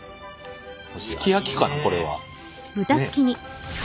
すき焼きかなこれは。ね！